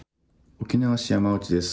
沖縄市山内です。